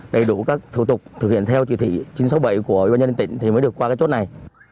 đầy đủ các thủ tục thực hiện theo trực thị chín trăm sáu mươi bảy của ubnd tỉnh thì mới được qua chốt này